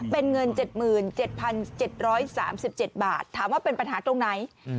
เป็นเงิน๗๗๓๗บาทถามว่าเป็นปัญหาตรงไหน